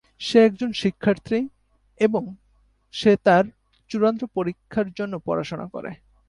সে একজন শিক্ষার্থী এবং সে তার চূড়ান্ত পরীক্ষার জন্য পড়াশোনা করে।